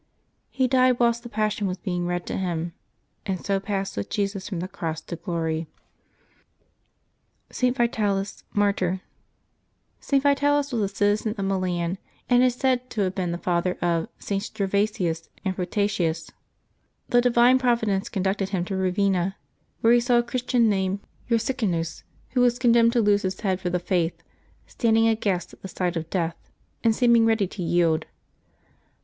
He died whilst the Passion was being read to him, and so passed with Jesus from the cross to April 29] LIVES OF THE SAINTS 161 ST. VITALIS, Martyr. |t. Vitalis was a citizen of Milan, and is said to have been the father of Sts. Gervasius and Protasius. The divine providence conducted him to Eavenna, where he saw a Christian named Ursicinus, who was condemned to lose his head for his faith, standing aghast at the sight of death, and seeming ready to yield.